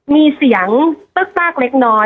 มีเสียงตึ๊กมากเล็กน้อย